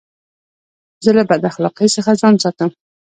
زه له بداخلاقۍ څخه ځان ساتم.